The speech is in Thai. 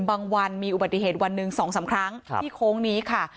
วันมีอุบัติเหตุวันหนึ่ง๒๓ครั้งที่โค้งนี้ค่ะ